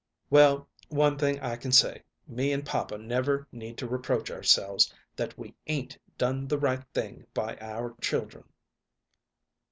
"Well, one thing I can say, me and papa never need to reproach ourselves that we 'ain't done the right thing by our children."